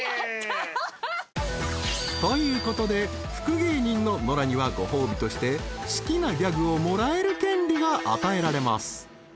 ［ということで福芸人のノラにはご褒美として好きなギャグをもらえる権利が与えられます］